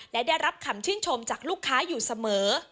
และได้รับคำชื่นชมจากลูกค้าอยู่เสมอ